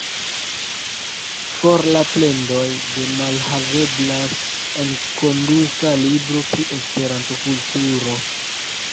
For la plendoj, ke malhaveblas enkonduka libro pri Esperanto-kulturo!